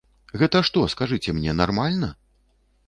Гэта што, скажыце мне, нармальна?